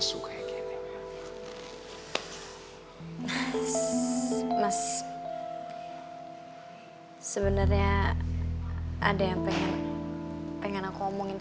saya yang baik banget